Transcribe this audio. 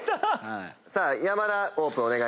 さあ山田オープン